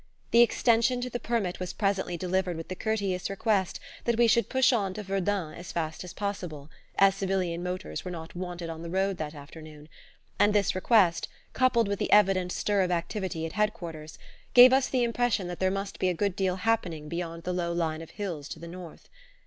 The extension to the permit was presently delivered with the courteous request that we should push on to Verdun as fast as possible, as civilian motors were not wanted on the road that afternoon; and this request, coupled with the evident stir of activity at Head quarters, gave us the impression that there must be a good deal happening beyond the low line of hills to the north.